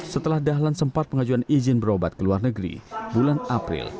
setelah dahlan sempat pengajuan izin berobat ke luar negeri bulan april